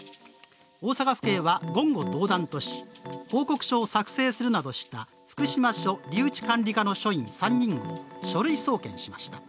大阪府警は言語道断として報告書を作成するなどした福島署留置管理課の署員３人を書類送検しました。